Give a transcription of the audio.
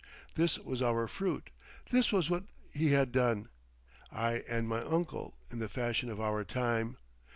This was our fruit, this was what he had done, I and my uncle, in the fashion of our time.